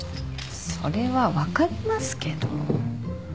それは分かりますけど。